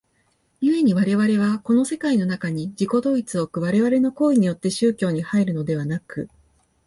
故に我々はこの世界の中に自己同一を置く我々の行為によって宗教に入るのでなく、